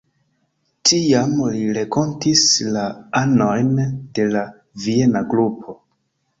Tiam li renkontis la anojn de la Viena Grupo.